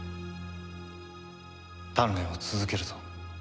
鍛錬を続けるぞ。